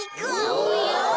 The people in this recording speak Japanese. おや！